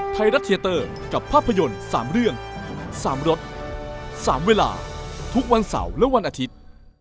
ไทยรัฐเทียเตอร์กับภาพยนตร์๓เรื่อง๓รถ๓เวลาทุกวันเสาร์และวันอาทิตย์